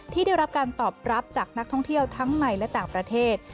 ที่ได้รับการตอบรับจากนักท่องเที่ยวทั้งในและต่างประเทศ